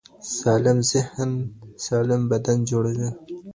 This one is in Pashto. سالم ذهن سالم بدن جوړوي.